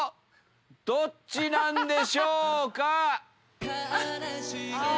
どっちなんでしょうか？